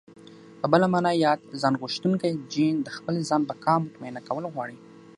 په بله مانا ياد ځانغوښتونکی جېن د خپل ځان بقا مطمينه کول غواړي.